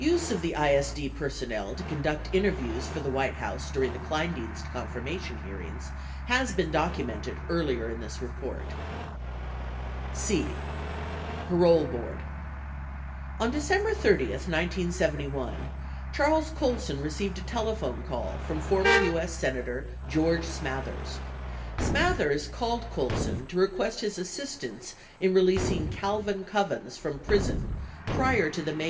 18 Use of the ISD personnel to conduct interviews for the White House during the Kleindienst confirmation hearings has been documented earlier in this report. 17 c. Parole Board On December 30, 1971, Charles Colson received a telephone call from former U.S. Senator George Smathers. Smathers called Colson to request his assistance in releasing Calvin Kovens from prison prior to the May 1, 1972, date set by the parole board.